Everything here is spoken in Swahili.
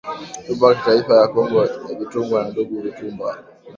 Wimbo wa kitaifa ya kongo ilitungwa na ndugu Lutumba